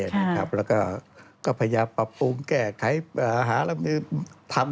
แล้วก็พยายามปรับปรุงแก้ไขหารับมือทำ